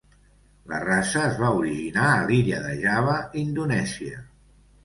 La raça es va originar a l'illa de Java, Indonèsia.